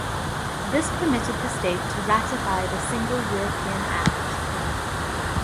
This permitted the state to ratify the Single European Act.